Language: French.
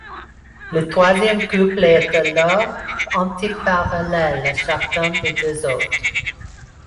Le troisième couple est alors antiparallèle à chacun des deux autres.